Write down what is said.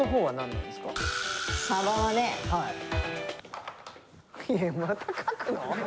はい。